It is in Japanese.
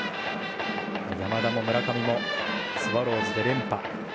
山田も村上もスワローズで連覇。